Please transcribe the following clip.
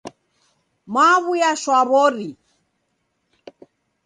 Mwaw'uya shwaw'ori.